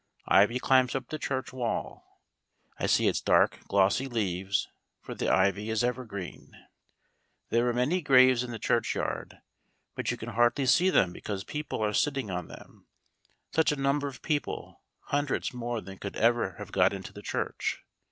Ivy climbs up the church wall. I see its dark glossy leaves, for the ivy is evergreen. There are many graves in the churchyard, but you can hardly see them because people are sitting on them; such a number of people, hundreds more than could ever have got into the church.